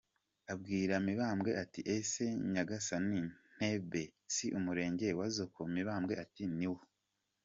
Abwira Mibambwe ati "Ese Nyagasani, Ntebe si umurenge wa Zoko?" Mibambwe ati "Ni wo" .